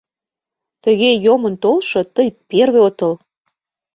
Тыге йомын толшо тый первый отыл.